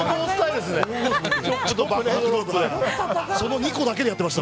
その２個だけでやってました。